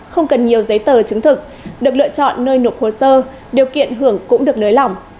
không cần nhiều giấy tờ chứng thực được lựa chọn nơi nộp hồ sơ điều kiện hưởng cũng được nới lỏng